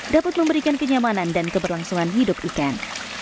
dapat memberikan kenyamanan dan keberlangsungan hidup ikan